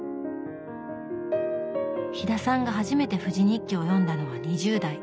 飛田さんが初めて「富士日記」を読んだのは２０代。